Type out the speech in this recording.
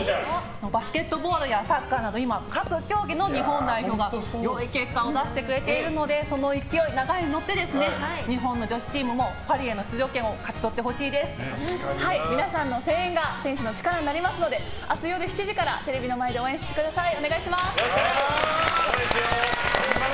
バスケットボールやサッカーなど今、各競技の日本代表が良い結果を出してくれているのでその勢い、流れに乗って日本の女子チームもパリへの出場権を皆さんの声援が選手の力になりますので明日夜７時からテレビの前で応援してください。